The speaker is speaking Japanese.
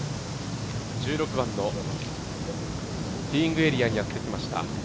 １６番のティーイングエリアにやってきました。